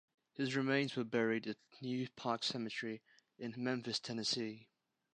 His remains were buried at New Park Cemetery in Memphis, Tennessee.